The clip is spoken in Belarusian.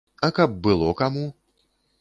А каб было каму?